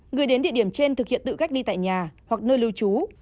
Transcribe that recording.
người đến địa điểm trên thực hiện tự cách ly tại nhà hoặc nơi lưu trú